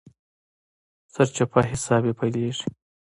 سرچپه حساب يې پيلېږي.